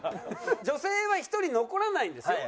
女性は１人残らないんですよ。